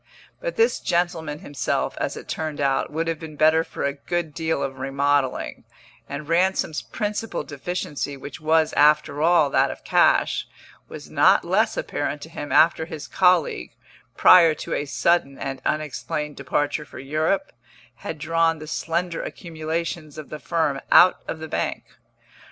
But this gentleman himself, as it turned out, would have been better for a good deal of remodelling, and Ransom's principal deficiency, which was, after all, that of cash, was not less apparent to him after his colleague, prior to a sudden and unexplained departure for Europe, had drawn the slender accumulations of the firm out of the bank.